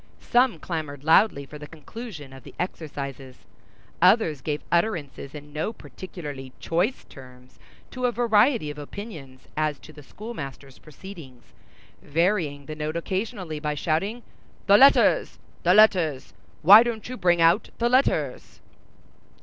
Some clamored loudly for the conclusion of the exercises; others gave utterances in no particularly choice terms to a variety of opinions as to the schoolmaster's proceedings, varying the note occasionally by shouting, "The letters! the letters! why don't you bring out the letters?"